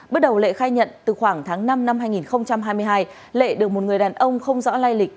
bước đầu lệ khai nhận từ khoảng tháng năm năm hai nghìn hai mươi hai lệ được một người đàn ông không rõ lai lịch